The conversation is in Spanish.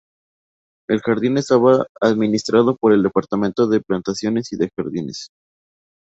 El jardín estaba administrado por el "Departamento de plantaciones y de jardines".